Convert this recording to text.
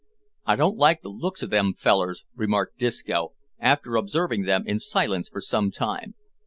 "I don't like the looks o' them fellers," remarked Disco, after observing them in silence for some time.